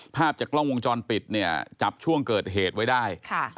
ภาพจากกล้องวงจรปิดเนี่ยจับช่วงเกิดเหตุไว้ได้